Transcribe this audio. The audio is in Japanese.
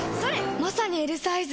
まさにＬサイズ！